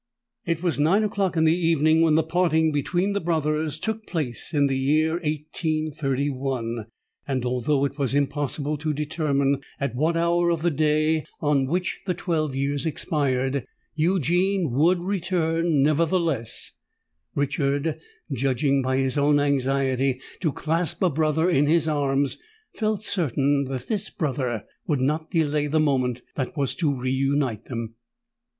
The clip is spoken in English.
It was nine o'clock in the evening when the parting between the brothers took place in the year 1831; and, although it was impossible to determine at what hour of the day on which the twelve years expired, Eugene would return, nevertheless Richard, judging by his own anxiety to clasp a brother in his arms, felt certain that this brother would not delay the moment that was to re unite them.